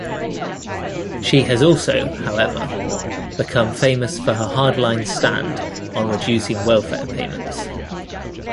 She has also, however, become famous for her hardline stand on reducing welfare payments.